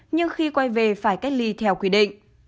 nhưng khi quay về phải cách ly theo quy định